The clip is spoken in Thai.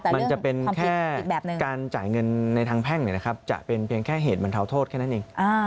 มันจะเป็นแค่การจ่ายเงินในทางแพ่งจะเป็นเพียงแค่เหตุบรรเทาโทษแค่นั้นเอง